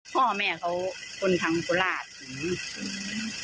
พ่อแม่เขาคนทางโฟราช